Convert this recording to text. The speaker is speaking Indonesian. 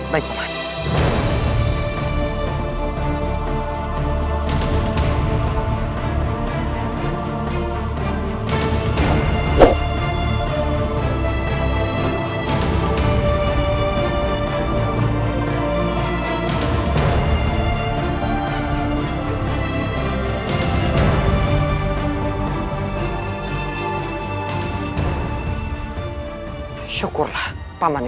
baik pak man